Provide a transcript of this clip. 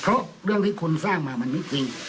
เพราะเรื่องที่คุณสร้างมามันไม่จริง